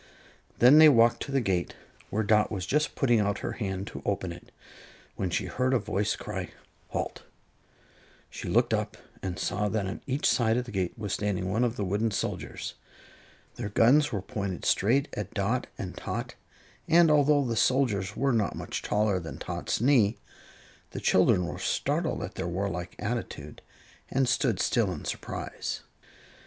Then they walked to the gate, where Dot was just putting out her hand to open it, when she heard a voice cry: "Halt!" She looked up and saw that on each side of the gate was standing one of the wooden soldiers. Their guns were pointed straight at Dot and Tot, and although the soldiers were not much taller than Tot's knee, the children were startled at their warlike attitude and stood still in surprise.